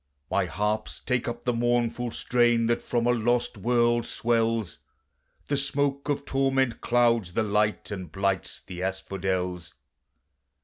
"My harps take up the mournful strain that from a lost world swells, The smoke of torment clouds the light and blights the asphodels.